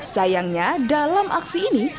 sayangnya dalam aksi ini